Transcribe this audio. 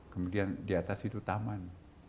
kemudian di atas itu taman